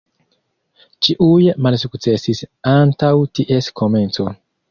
Ĉiuj malsukcesis antaŭ ties komenco.